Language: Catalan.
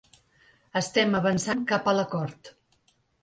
Estem avançant cap a l’acord.